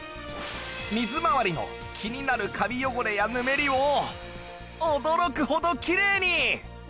水回りの気になるカビ汚れやヌメリを驚くほどきれいに！